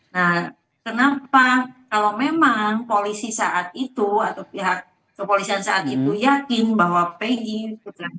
nah kenapa kalau memang polisi saat itu atau pihak kepolisian saat itu yakin bahwa peggy